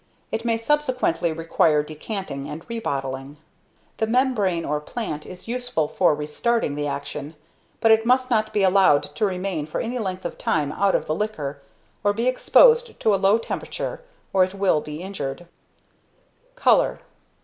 It may subsequently require decanting and re bottling. The membrane or plant is useful for restarting the action, but it must not be allowed to remain for any length of time out of the liquor, or be exposed to a low temperature, or it will be injured. [Sidenote: Colour.